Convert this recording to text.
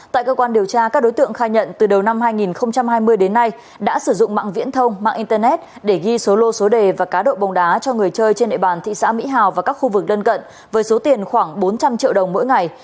tại cơ quan điều tra các đối tượng khai nhận từ đầu năm hai nghìn hai mươi đến nay đã sử dụng mạng viễn thông mạng internet để ghi số lô số đề và cá độ bóng đá cho người chơi trên nệ bàn thị xã mỹ hào và các khu vực lân cận với số tiền khoảng bốn trăm linh triệu đồng mỗi ngày